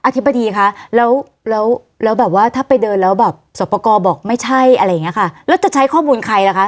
อธิภาษาวิทยาฯค่ะจะใช้ข้อมูลของใคร